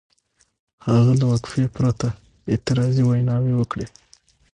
هغه له وقفې پرته اعتراضي ویناوې وکړې.